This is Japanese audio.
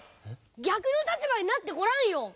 逆の立場になってごらんよ。